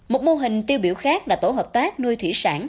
một mô hình tiêu biểu khác là tổ hợp tác nuôi thủy sản